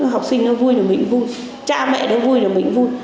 học sinh nó vui nó mịn vui cha mẹ nó vui nó mịn vui